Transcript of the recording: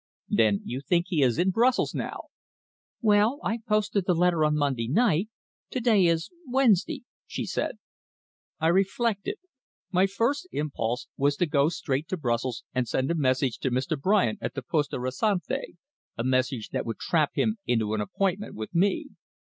"Then you think he is in Brussels now?" "Well, I posted the letter on Monday night. To day is Wednesday," she said. I reflected. My first impulse was to go straight to Brussels and send a message to Mr. Bryant at the Poste Restante a message that would trap him into an appointment with me.